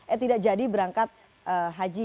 eh tidak jadi berangkat haji